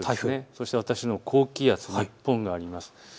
そして私のほう、高気圧、日本があります。